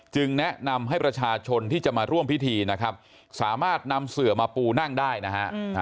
แนะนำให้ประชาชนที่จะมาร่วมพิธีนะครับสามารถนำเสือมาปูนั่งได้นะฮะ